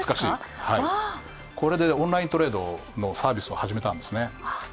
これでオンライントレードのサービスを始めたんですね。